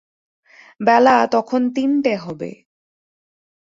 বেলা তখন তিনটে হবে।